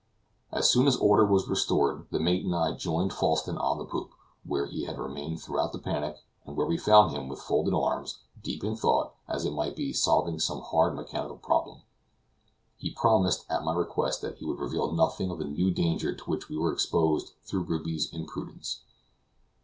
As soon as order was restored, the mate and I joined Falsten on the poop, where he had remained throughout the panic, and where we found him with folded arms, deep in thought, as it might be, solving some hard mechanical problem. He promised, at my request, that he would reveal nothing of the new danger to which we were exposed through Ruby's imprudence.